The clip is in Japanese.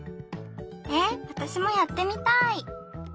えっわたしもやってみたい！